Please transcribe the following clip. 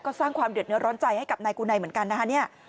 ก็สร้างความเดือดเนื้อร้อนใจให้กับนายกูไนเหมือนกันนะฮะเนี่ย